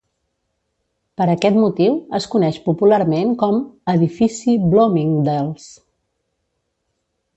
Per aquest motiu, es coneix popularment com "Edifici Bloomingdale's".